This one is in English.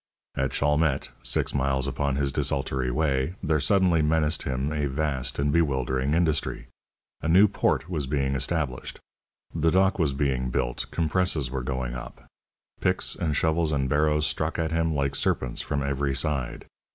At Chalmette, six miles upon his desultory way, there suddenly menaced him a vast and bewildering industry. A new port was being established; the dock was being built, compresses were going up; picks and shovels and barrows struck at him like serpents from every side.